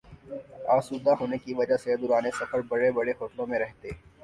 آسودہ ہونے کی وجہ سے دوران سفر بڑے بڑے ہوٹلوں میں رہتے